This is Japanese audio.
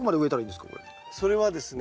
それはですね